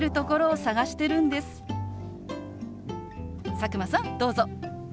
佐久間さんどうぞ。